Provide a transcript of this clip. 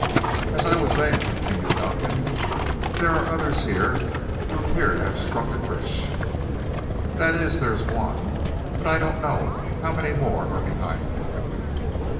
"As I was saying," continued Dunkan, "there are others here who appear to have struck it rich. That is, there's one, but I don't know how many more are behind him."